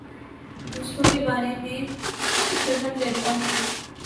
دوسروں کے بارے میں فکر مند رہتا ہوں